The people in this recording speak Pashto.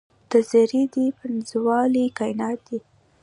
له ذرې دې پنځولي کاینات دي